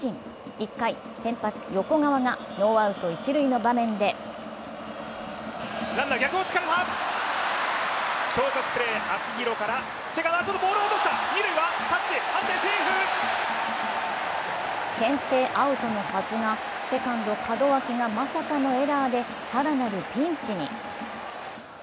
１回、先発・横川がノーアウト一塁の場面でけん制アウトのはずがセカンド・門脇がまさかのエラーでさらなるピンチに。